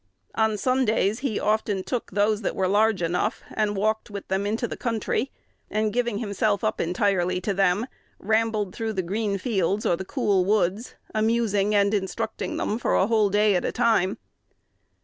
On Sundays he often took those that were large enough, and walked with them into the country, and, giving himself up entirely to them, rambled through the green fields or the cool woods, amusing and instructing them for a whole day at a time.